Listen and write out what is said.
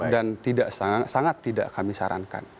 dan sangat tidak kami sarankan